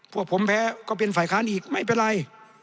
พวกผมแพ้ก็เป็นฝ่ายค้านอีกไม่เป็นไร